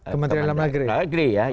kementerian dalam negeri